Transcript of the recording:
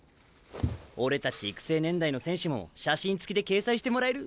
俺たち育成年代の選手も写真つきで掲載してもらえる。